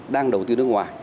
đang đầu tư nước ngoài